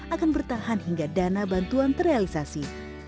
akan bertahan hingga dana bantuan terrealisasi